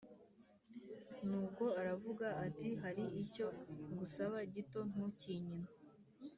Nuko aravuga ati “Hari icyo ngusaba gito ntukinyime.”